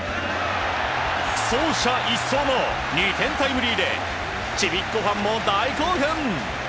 走者一掃の２点タイムリーでちびっ子ファンも大興奮！